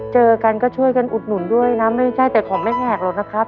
เจอกันก็ช่วยกันอุดหนุนด้วยนะไม่ใช่แต่ของแม่แขกหรอกนะครับ